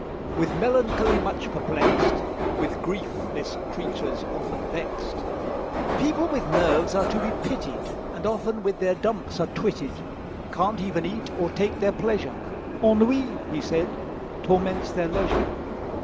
With melancholy much perplexed (With grief this creature's often vexed). "People with nerves are to be pitied, And often with their dumps are twitted; Can't even eat, or take their pleasure; Ennui," he said, "torments their leisure.